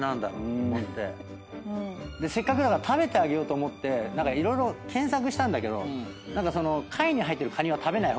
せっかくだから食べてあげようと思って色々検索したんだけど何かその。